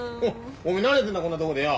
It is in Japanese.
おめえ何やってるんだこんなとこでよ。